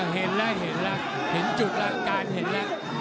เห็นแล้วเห็นแล้วเห็นจุดแล้วอาการเห็นแล้ว